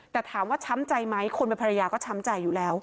แต่ถามว่าช้ำใจไหมคนเป็นภรรยาก็ช้ำใจอยู่แล้ว